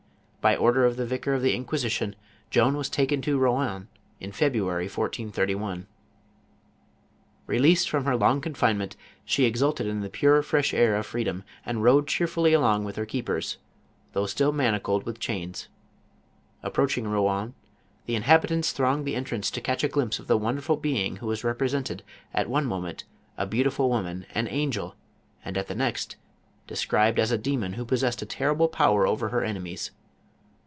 By order of the Vicar of the Inquisition, Joan was taken to Rouen in February, 1431. Released from her long confinement, she exulted in the pure fresh air of freedom, and rode cheerfully along with her keepers, though still manacled with chains. Approaching Rouen, the inhabitants thronged the entrance to catch a glimpse of the wonderful being who was represented, at one moment, a beautiful woman, an angel, and at the next, described as a demon who possessed a terrible power over her ene mies.